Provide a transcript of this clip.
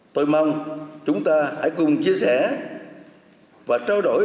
tôi mong chúng ta hãy cùng chia sẻ và trao đổi